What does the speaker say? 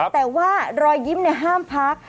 แต่ว่ารอยยิ้มห้ามพัก